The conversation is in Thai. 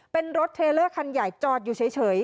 เป็นรถเทลเลอร์คันใหญ่จอดอยู่เฉย